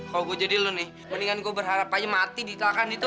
kalo gue jadi lo nih mendingan gue berharap aja mati di telakang itu